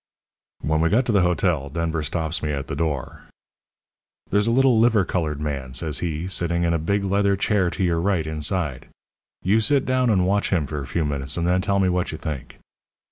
"When we got to the hotel, Denver stops me at the door. "'There's a little liver coloured man,' says he, 'sitting in a big leather chair to your right, inside. You sit down and watch him for a few minutes, and then tell me what you think.'